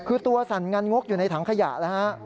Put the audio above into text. คือตัวสรรงานงกอยู่ในถังขยะนะครับ